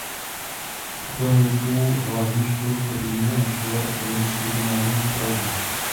Vychodil německou hlavní školu v Chrudimi a navštěvoval akademické gymnázium v Praze.